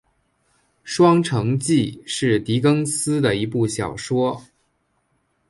《双城记》是狄更斯的一部小说。